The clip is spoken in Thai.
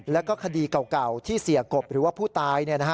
แล้วก็คดีเก่าที่เสียกบหรือว่าผู้ตาย